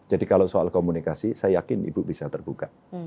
jadi kalau soal komunikasi saya yakin ibu bisa terbuka